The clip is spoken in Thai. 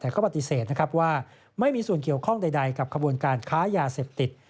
แต่ก็ปฏิเสธนะครับว่าไม่มีส่วนเกี่ยวข้องใดกับขบวนการค้ายาเสพติด